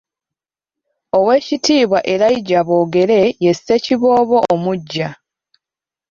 Oweekitiibwa Elijah Boogere ye Ssekiboobo omuggya .